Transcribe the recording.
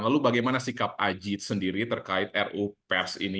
lalu bagaimana sikap aji sendiri terkait ru pers ini